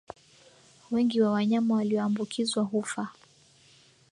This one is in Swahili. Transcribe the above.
Wengi wa wanyama walioambukizwa hufa